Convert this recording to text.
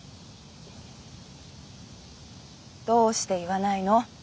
どうして言わないの？